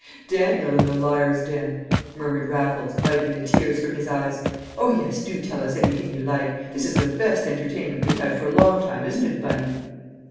"Daniel in the liars' den," murmured Raffles, wiping the tears from his eyes. "Oh, yes, do tell us anything you like; this is the best entertainment we've had for a long time, isn't it, Bunny?"